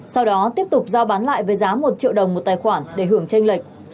sau đó tiếp tục giao bán lại với giá một triệu đồng một tài khoản để hưởng tranh lệch